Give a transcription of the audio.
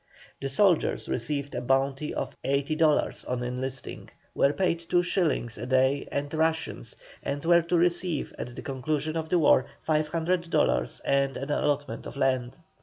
The soldiers received a bounty of $80 on enlisting, were paid two shillings a day and rations, and were to receive at the conclusion of the war $500 and an allotment of land.